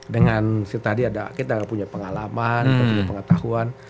dengan setadi ada kita punya pengalaman punya pengetahuan